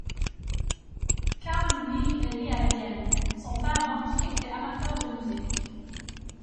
Karl Weigl est né à Vienne, son père banquier était amateur de musique.